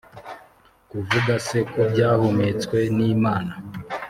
Kuvuga se ko byahumetswe n Imana